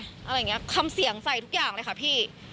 อะไรอย่างนี้คำเสียงใส่ทุกอย่างเลยค่ะพี่